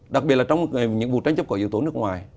đặc biệt là trong những vụ tranh chấp có yếu tố nước ngoài